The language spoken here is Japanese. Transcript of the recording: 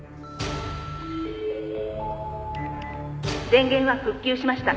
「電源は復旧しました。